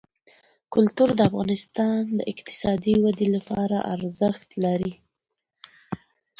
کلتور د افغانستان د اقتصادي ودې لپاره ارزښت لري.